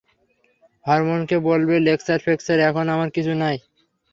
হরমোহনকে বলবে, লেকচার-ফেকচার এখন আমার কিছুই নাই।